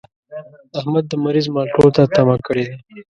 احمد د مريض مالټو ته تمه کړې ده.